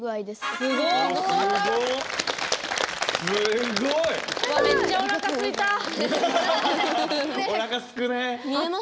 すごい！おなかすくね。